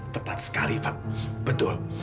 tepat sekali pak betul